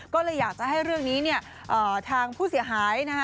ก็เลยอยากจะให้เรื่องนี้เนี่ยทางผู้เสียหายนะคะ